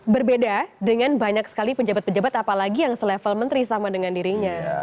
berbeda dengan banyak sekali penjabat penjabat apalagi yang se level menteri sama dengan dirinya